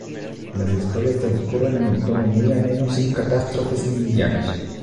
Las historias transcurren en un tono muy ameno, sin catástrofes ni villanos.